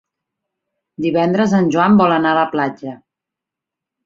Divendres en Joan vol anar a la platja.